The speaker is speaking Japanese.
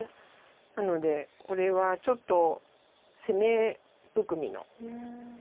なのでこれはちょっと攻め含みのハサミ。